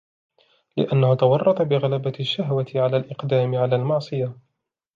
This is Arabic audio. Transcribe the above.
لِأَنَّهُ تَوَرَّطَ بِغَلَبَةِ الشَّهْوَةِ عَلَى الْإِقْدَامِ عَلَى الْمَعْصِيَةِ